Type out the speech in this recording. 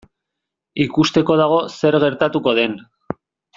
Ikusteko dago zer gertatuko den.